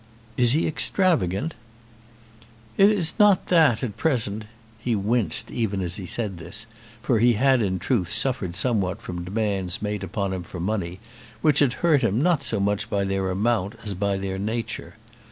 "Is he extravagant?" "It is not that at present." He winced even as he said this, for he had in truth suffered somewhat from demands made upon him for money, which had hurt him not so much by their amount as by their nature.